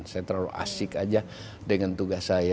saya terlalu asik aja dengan tugas saya